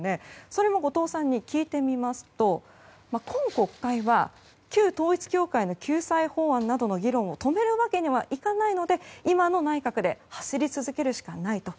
それも後藤さんに聞いてみますと今国会は旧統一教会の救済法案などの議論を止めるわけにはいかないので今の内閣で走り続けるしかないと。